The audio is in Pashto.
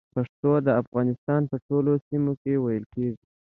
پښتو د افغانستان په ټولو سيمو کې ویل کېږي